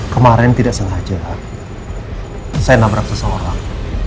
kemarin tidak salah aja saya nabrak seseorang